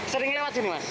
sering lewat sini mas